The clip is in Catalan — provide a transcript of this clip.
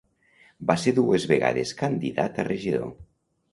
Va ser dues vegades candidat a regidor.